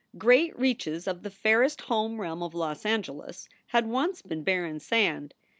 Great reaches of the fairest home realm of Los Angeles had once been barren sand.